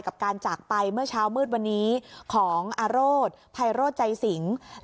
กับการจากไปเมื่อเช้ามืดวันนี้ของอาโรธไพโรธใจสิง